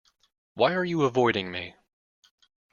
Why are you avoiding me?